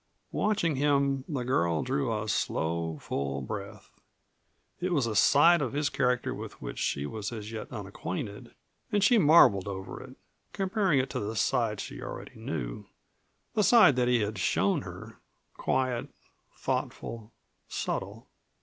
Watching him, the girl drew a slow, full breath. It was a side of his character with which she was as yet unacquainted, and she marveled over it, comparing it to the side she already knew the side that he had shown her quiet, thoughtful, subtle.